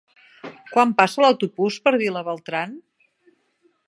Quan passa l'autobús per Vilabertran?